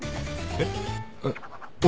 えっ！